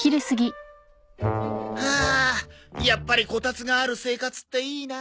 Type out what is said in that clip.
はあやっぱりこたつがある生活っていいな。